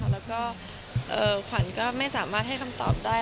แล้วก็ขวัญก็ไม่สามารถให้คำตอบได้